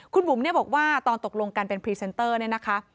คุณบุ๋มเนี่ยบอกว่าตอนตกลงกันเป็นพรีเซนเตอร์เนี่ยนะคะ